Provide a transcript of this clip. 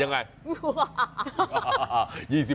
ยังไง